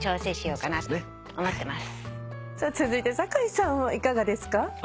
続いて酒井さんはいかがですか？